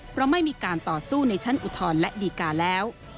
เพราะไม่มีการต่อสู้ในชั้นอุทธรณ์และดีการแล้ว